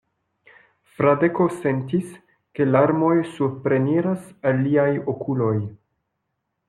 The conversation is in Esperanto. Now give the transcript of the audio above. Fradeko sentis, ke larmoj supreniras al liaj okuloj.